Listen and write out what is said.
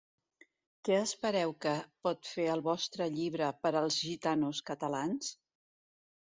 Què espereu que pot fer el vostre llibre per als gitanos catalans?